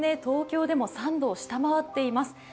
東京でも３度を下回っています。